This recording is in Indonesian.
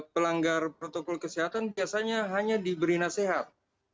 pelanggar protokol kesehatan biasanya hanya diberi nasihat